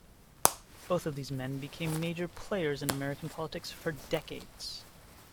Both of these men became major players in American politics for decades.